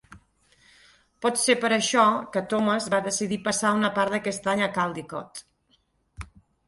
Pot ser per això que Thomas va decidir passar una part d'aquest any a Caldicot.